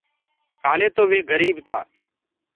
ڪآلي تو وي گريٚب تا۔